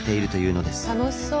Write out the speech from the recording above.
楽しそう。